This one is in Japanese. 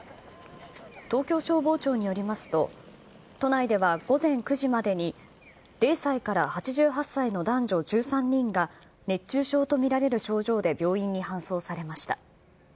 東京消防庁によりますと、都内では午前９時までに０歳から８８歳の男女１３人が、熱中症と見られる症状で病院に搬送されました。